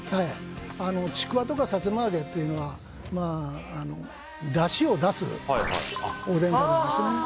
ちくわとかさつま揚げというのはだしを出す、おでんダネですね。